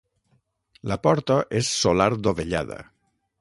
La porta és solar dovellada.